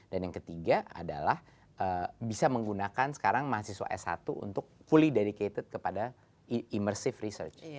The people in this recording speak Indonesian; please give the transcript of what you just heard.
dan yang ketiga adalah bisa menggunakan sekarang mahasiswa s satu untuk fully dedicated kepada immersive research